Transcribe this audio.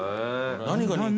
何が。